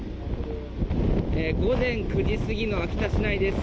午前９時過ぎの秋田市内です。